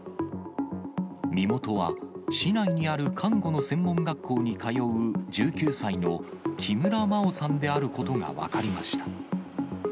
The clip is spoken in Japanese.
身元は、市内にある看護の専門学校に通う１９歳の木村真緒さんであることが分かりました。